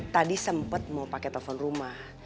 tadi sempet mau pake telepon rumah